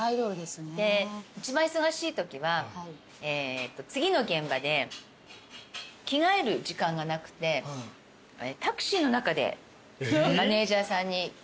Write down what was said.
一番忙しいときは次の現場で着替える時間がなくてタクシーの中でマネジャーさんに着替えなさいって言われて。